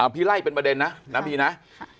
พี่ไล่เป็นประเด็นนะน้าบีนะ